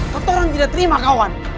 ketoran tidak terima kawan